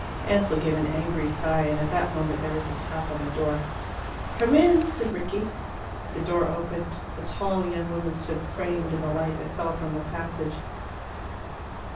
Ansell gave an angry sigh, and at that moment there was a tap on the door. "Come in!" said Rickie. The door opened. A tall young woman stood framed in the light that fell from the passage.